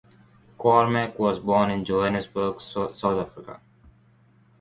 Cormack was born in Johannesburg, South Africa.